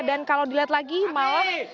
kalau dilihat lagi malam